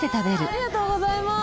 ありがとうございます。